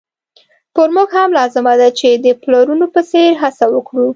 پر موږ هم لازمه ده چې د پلرونو په څېر هڅه وکړو.